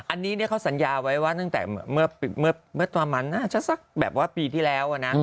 อันนี้เขาสัญญาไว้ว่าตั้งแต่เมื่อประมาณน่าจะสักแบบว่าปีที่แล้วนะ